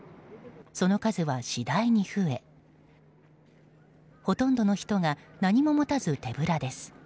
その数は次第に増えほとんどの人が何も持たず手ぶらです。